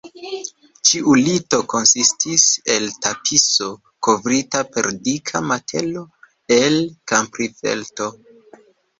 Ĉiu lito konsistis el tapiŝo, kovrita per dika mantelo el kaprinfelto.